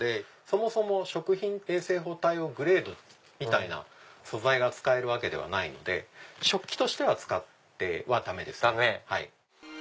そもそも食品衛生法対応グレードみたいな素材が使えるわけではないので食器として使ってはダメですね。